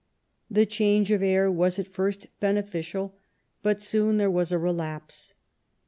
The change of air was at first beneficial, but soon there was a relapse.